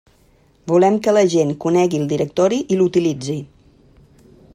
Volem que la gent conegui el directori i l'utilitzi.